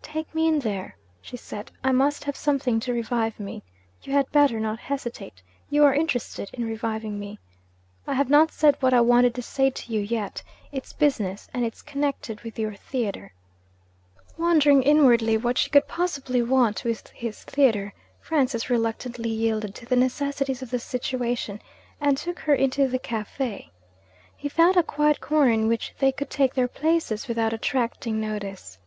'Take me in there,' she said; 'I must have something to revive me. You had better not hesitate. You are interested in reviving me. I have not said what I wanted to say to you yet. It's business, and it's connected with your theatre.' Wondering inwardly what she could possibly want with his theatre, Francis reluctantly yielded to the necessities of the situation, and took her into the cafe. He found a quiet corner in which they could take their places without attracting notice.